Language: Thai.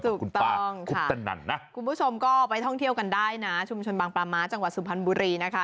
ถูกต้องคุปตนันนะคุณผู้ชมก็ไปท่องเที่ยวกันได้นะชุมชนบางปลาม้าจังหวัดสุพรรณบุรีนะคะ